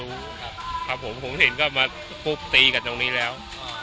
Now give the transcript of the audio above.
เออพี่เค้าโดนอะไรบ้างครับ